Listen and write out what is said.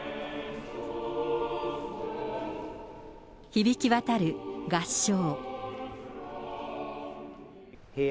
響き渡る合唱。